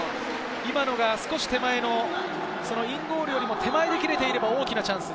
今のが少し手前の、インゴールよりも手前で切れていれば大きなチャンス。